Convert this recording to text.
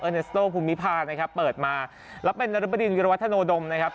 เนสโต้ภูมิภานะครับเปิดมาแล้วเป็นนรบดินวิรวัฒโนดมนะครับ